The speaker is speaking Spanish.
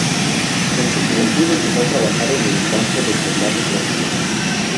En su juventud empezó a trabajar en el campo del doblaje profesional.